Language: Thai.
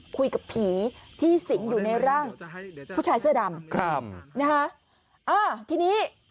คุยกับผีที่สิงอยู่ในร่างผู้ชายเสื้อดำครับนะฮะอ่าทีนี้